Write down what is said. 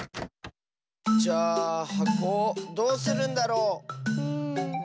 じゃあはこをどうするんだろう？ん。